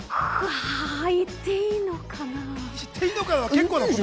はい、言っていいのかな？